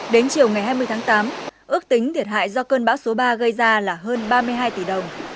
đến chiều ngày hai mươi tháng tám ước tính thiệt hại do cơn bão số ba gây ra là hơn ba mươi hai tỷ đồng